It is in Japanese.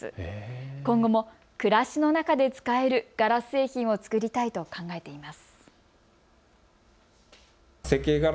今後も暮らしの中で使えるガラス製品を作りたいと考えています。